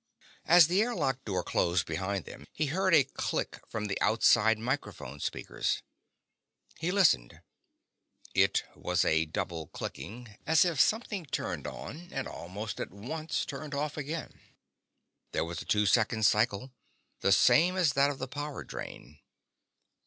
As the airlock door closed behind them, he heard a click from the outside microphone speakers. He listened. It was a doubled clicking, as of something turned on and almost at once turned off again. There was a two second cycle, the same as that of the power drain.